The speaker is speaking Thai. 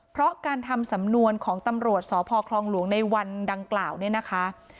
เพราะการทำสำนวนของตำรวจสพคลองหลวงในวันดังกล่าวเนี่ยนะคะ